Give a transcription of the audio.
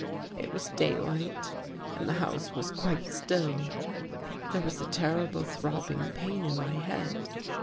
It was daylight and the house was quite still. There was a terrible throbbing pain in my head.